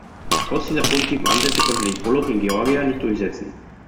Trotz dieser positiven Ansätze konnte sich Bullock in Georgia nicht durchsetzen.